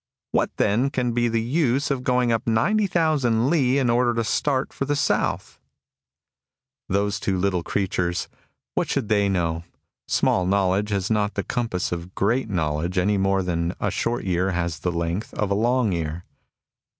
What, then, can be the use of gomg up mnety thousand li in order to start for the south ?"... Those two little creatures, — what should they know ? Small knowledge has not the compass of great know ledge any more than a short year has the length of a long year.